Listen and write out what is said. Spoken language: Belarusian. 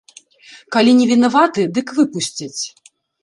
Калі невінаваты, дык выпусцяць.